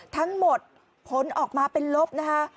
ทั้งหมดผลออกมาเป็นลบนะคะ